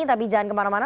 tapi jangan kemana mana